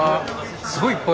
すごいいっぱい